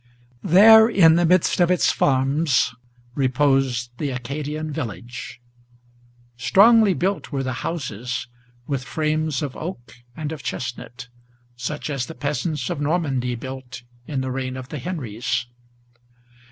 There, in the midst of its farms, reposed the Acadian village. Strongly built were the houses, with frames of oak and of chestnut, Such as the peasants of Normandy built in the reign of the Henries.